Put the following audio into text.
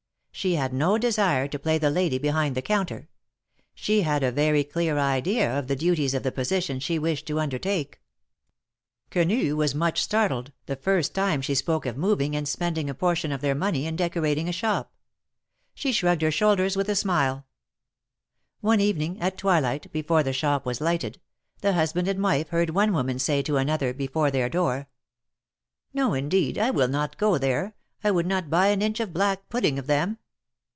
She had no desire to play the lady behind the counter. She had a very clear idea of the duties of the position she wished to undertake. Quenu was much startled, the first time she spoke of moving and spending a portion of their money in decorat ing a shop. She shrugged her shoulders with a smile. One evening, at twilight, before the shop was lighted, the husband and wife heard one woman say to another, before their door : No, indeed, I will not go there. I would not buy an inch of black pudding of them."